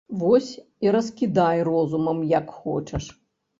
Вось і раскідай розумам як хочаш.